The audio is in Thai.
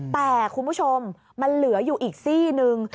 แต่คุณผู้ชมมันเหลืออยู่อีกซี่นึง